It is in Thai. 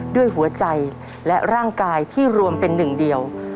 ด้วยหัวใจและร่างกายที่รวมเป็นหนึ่งเดียว